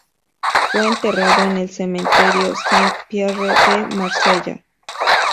Fue enterrado en el Cementerio Saint-Pierre de Marsella.